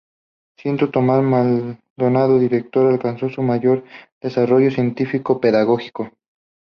Siendo Tomás Maldonado director, alcanzó su mayor desarrollo científico-pedagógico.